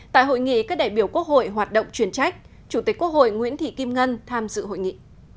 tại hội nghị các đại biểu quốc hội hoạt động chuyển trách chủ tịch quốc hội nguyễn thị kim ngân tham dự hội nghị